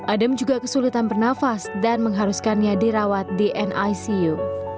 adam juga kesulitan bernafas dan mengharuskannya dirawat di nicu